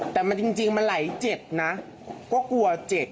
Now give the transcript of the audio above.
แต่จริงมันไหล๗นะก็กลัว๗